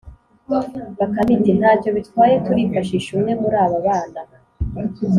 “bakame iti:” nta cyo bitwaye, turifashisha umwe muri aba bana.”